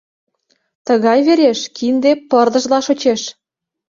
Тыгай вереш кинде пырдыжла шочеш.